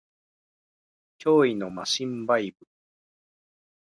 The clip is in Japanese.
脅威のマシンバイブ